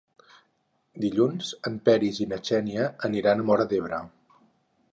Dilluns en Peris i na Xènia aniran a Móra d'Ebre.